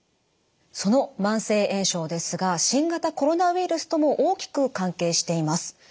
その慢性炎症ですが新型コロナウイルスとも大きく関係しています。